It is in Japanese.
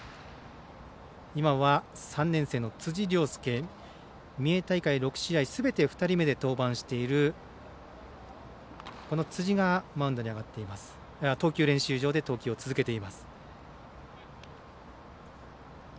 辻亮輔、三重大会６試合すべて２人目で登板している辻が投球練習場で投球を続けています。